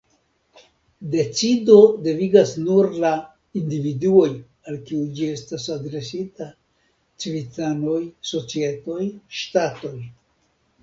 Decido devigas nur la "individuoj", al kiu ĝi estas adresita: civitanoj, societoj, ŝtatoj.